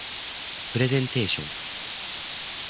プレゼンテーション